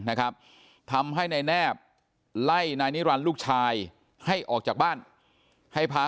นะครับทำให้นายแนบไล่นายนิรันดิ์ลูกชายให้ออกจากบ้านให้พา